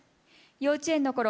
幼稚園のころ